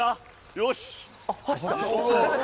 よし！